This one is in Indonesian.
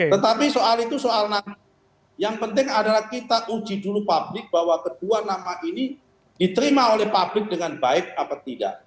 tetapi soal itu soal nama yang penting adalah kita uji dulu publik bahwa kedua nama ini diterima oleh publik dengan baik apa tidak